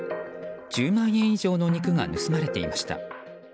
１０万円以上の肉が盗まれていました。